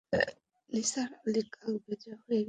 নিসার আলি কাকভেজা হয়ে গেলেন।